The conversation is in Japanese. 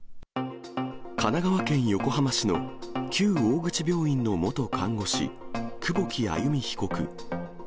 神奈川県横浜市の旧大口病院の元看護師、久保木愛弓被告。